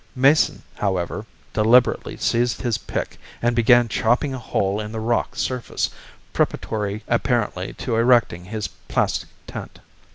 Mason, however, deliberately seized his pick and began chopping a hole in the rock surface, preparatory apparently to erecting his plastic tent.